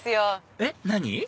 えっ何？